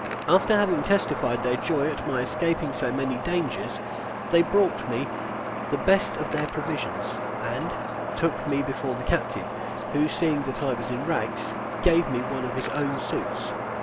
After having testified their joy at my escaping so many dangers, they brought me the best of their provisions; and took me before the captain, who, seeing that I was in rags, gave me one of his own suits.